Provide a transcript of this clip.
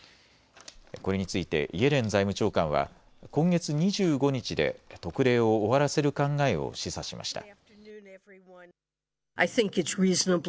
これについてイエレン財務長官は今月２５日で特例を終わらせる考えを示唆しました。